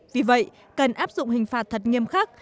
vì vậy cần áp dụng hình phạt thật nghiêm khắc